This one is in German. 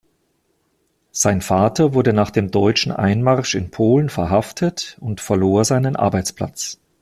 Sein Vater wurde nach dem deutschen Einmarsch in Polen verhaftet und verlor seinen Arbeitsplatz.